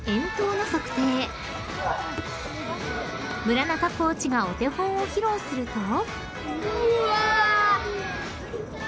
［村中コーチがお手本を披露すると］